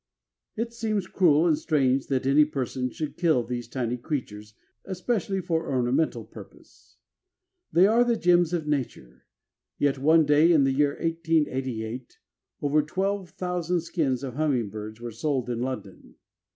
It seems cruel and strange that any person should kill these tiny creatures especially for ornamental purpose. They are the gems of nature, yet one day, in the year 1888, over twelve thousand skins of hummingbirds were sold in London.